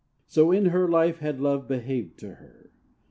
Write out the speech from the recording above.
So in her life had Love behaved to her.